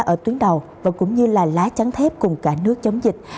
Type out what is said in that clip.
ở tuyến đầu và cũng như là lá chắn thép cùng cả nước chống dịch